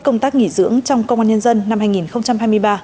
công tác nghỉ dưỡng trong công an nhân dân năm hai nghìn hai mươi ba